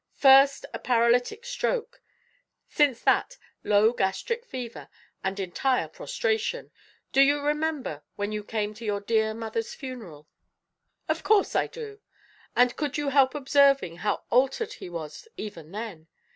"First a paralytic stroke; since that low gastric fever, and entire prostration. Do you remember when you came to your dear mother's funeral?" "Of course, I do." "And could you help observing how altered he was even then?